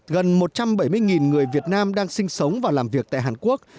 gần một trăm bảy mươi người việt nam đang sinh sống và làm việc tại hàn quốc